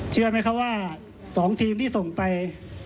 เชื่อไหมครับว่า๒ทีมที่ส่งไป